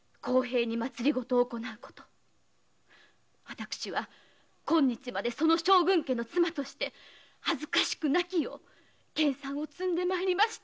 私は今日までその将軍家の妻として恥ずかしくなきよう研鑽を積んでまいりました。